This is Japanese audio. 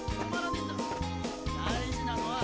大事なのは。